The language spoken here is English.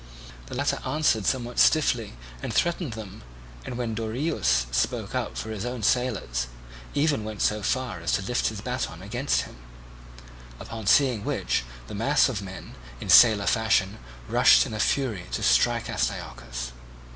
The latter answered somewhat stiffly and threatened them, and when Dorieus spoke up for his own sailors even went so far as to lift his baton against him; upon seeing which the mass of men, in sailor fashion, rushed in a fury to strike Astyochus.